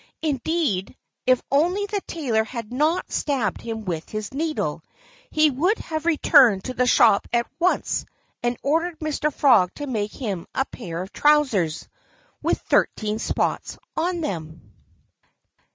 Indeed, if only the tailor had not stabbed him with his needle, he would have returned to the shop at once and ordered Mr. Frog to make him a pair of trousers with thirteen spots on them.